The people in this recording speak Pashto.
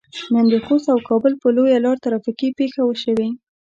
نن د خوست او کابل په لويه لار ترافيکي پېښه شوي.